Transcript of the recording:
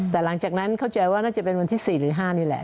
แต่หลังจากนั้นเข้าใจว่าน่าจะเป็นวันที่๔หรือ๕นี่แหละ